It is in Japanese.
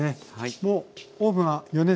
もうオーブンは予熱。